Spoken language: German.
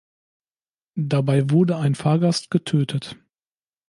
Dabei wurde ein Fahrgast getötet.